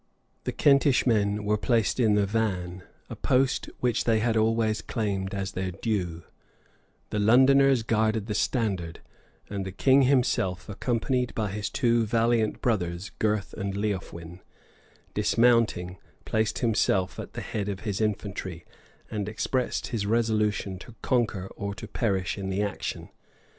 The Kentish men were placed in the van; a post which they had always claimed as their due: the Londoners guarded the standard; and the king himself, accompanied by his two valiant brothers, Gurth and Leofwin, dismounting, placed himself at the head of his infantry, and expressed his resolution to conquer or to perish in the action.